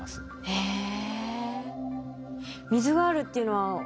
へえ。